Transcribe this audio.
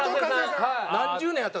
何十年やった？